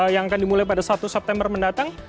yang akan dimulai pada satu september mendatang